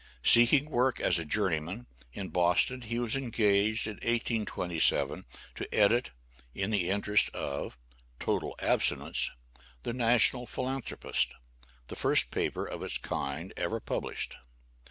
Seeking work as a journeyman, in Boston, he was engaged in 1827 to edit, in the interest of "total abstinence," the "National Philanthropist," the first paper of its kind ever published.